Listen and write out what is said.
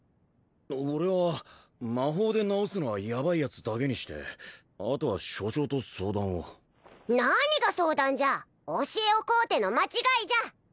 俺は魔法で治すのはヤバいヤツだけにしてあとは所長と相談を何が相談じゃ教えを乞うての間違いじゃ！